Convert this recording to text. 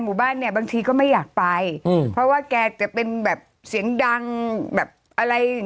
หมู่บ้านเนี่ยบางทีก็ไม่อยากไปอืมเพราะว่าแกจะเป็นแบบเสียงดังแบบอะไร